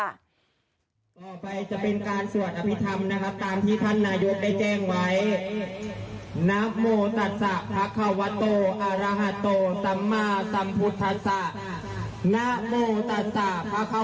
ต่อไปจะเป็นการสวดอภิธรรมตามที่ท่านนายกได้แจ้งไว้